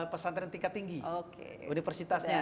pesan tren tingkat tinggi oke universitasnya